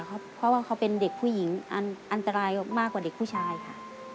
เพราะว่าเขาเป็นเด็กผู้หญิงอันตรายมากกว่าเด็กผู้ชายค่ะ